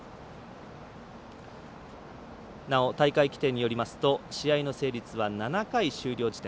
なお、大会規定によりますと試合の成立は７回終了時点。